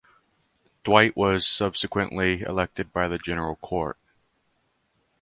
Dwight was subsequently elected by the General Court.